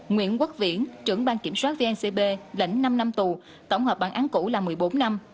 nguyễn quốc viễn trưởng ban kiểm soát vncb lĩnh năm năm tù tổng hợp bản án cũ là một mươi bốn năm